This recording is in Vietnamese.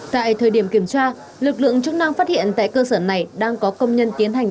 tại thời điểm kiểm tra lực lượng chức năng phát hiện tại cơ sở này đang có công nhân tiến hành